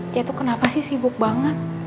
dia tuh kenapa sih sibuk banget